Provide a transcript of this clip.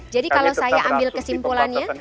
jadi kalau saya ambil kesimpulannya